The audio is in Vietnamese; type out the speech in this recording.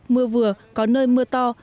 mưa vừa có nơi mưa to